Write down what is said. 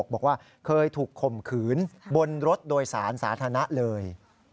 บอกว่าเคยถูกข่มขืนบนรถโดยสารสาธารณะเลย